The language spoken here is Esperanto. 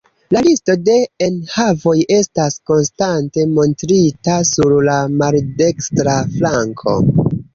La listo de enhavoj estas konstante montrita sur la maldekstra flanko.